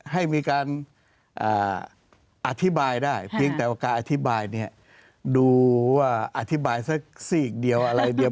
ให้มีการอธิบายได้เพียงแต่ว่าการอธิบายเนี่ยดูว่าอธิบายสักซีกเดียวอะไรเดียว